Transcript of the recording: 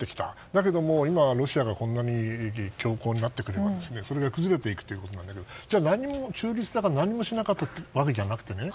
だけど今はロシアがこんなに強硬になってくれば崩れていくってことなんだけど中立だから何もしなかったわけじゃなくてね。